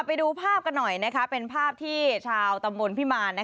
ไปดูภาพกันหน่อยเป็นภาพที่ชาวตำบลพิมาร